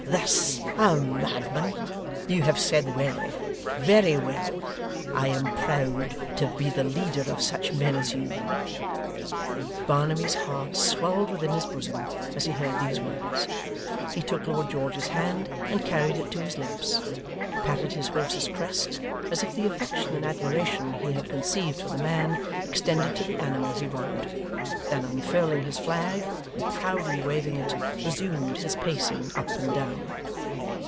THIS a madman! You have said well, very well. I am proud to be the leader of such men as you.' Barnaby's heart swelled within his bosom as he heard these words. He took Lord George's hand and carried it to his lips; patted his horse's crest, as if the affection and admiration he had conceived for the man extended to the animal he rode; then unfurling his flag, and proudly waving it, resumed his pacing up and down.